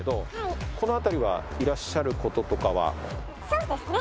そうですね。